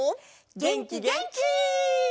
げんきげんき！